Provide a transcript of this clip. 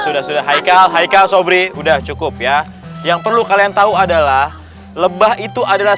sudah sudah hai kalau hai kau sobri udah cukup ya yang perlu kalian tahu adalah lebah itu adalah